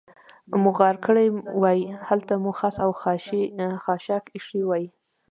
مو غار کړې وای، هلته مو خس او خاشاک اېښي وای.